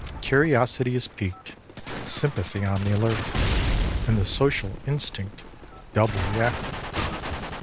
Curiosity is piqued, sympathy on the alert and the social instinct doubly active.